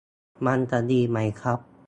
มันจะดีไหมครับ